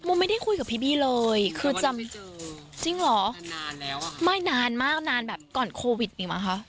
ไม่ได้คุยกับพี่บี้เลยคือจำจริงเหรอไม่นานมากนานแบบก่อนโควิดอีกมั้งคะ